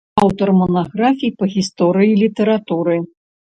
Аўтар манаграфій па гісторыі літаратуры.